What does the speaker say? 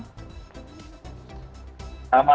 selamat malam mbak